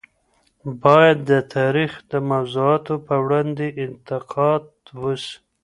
باید د تاریخ د موضوعاتو په وړاندي انتقاد وسي.